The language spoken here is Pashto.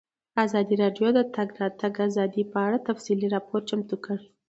ازادي راډیو د د تګ راتګ ازادي په اړه تفصیلي راپور چمتو کړی.